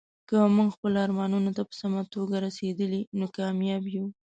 که موږ خپلو ارمانونو ته په سمه توګه رسیدلي، نو کامیاب یو.